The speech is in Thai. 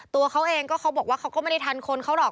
ตัวเขาเองก็เขาบอกว่าเขาก็ไม่ได้ทันคนเขาหรอก